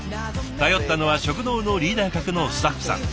頼ったのは食堂のリーダー格のスタッフさん。